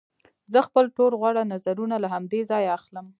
زه خپل ټول غوره نظرونه له همدې ځایه اخلم